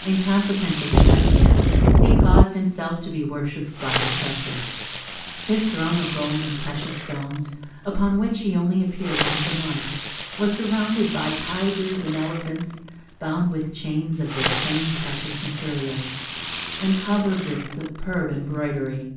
In consequence of this idea he caused himself to be worshipped by his subjects. His throne of gold and precious stones, upon which he only appeared once a month, was surrounded by tigers and elephants, bound with chains of the same precious materials, and covered with superb embroidery.